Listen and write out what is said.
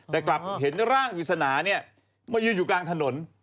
แต่กลับเห็นร่างวิศนามายืนอยู่กลางถนน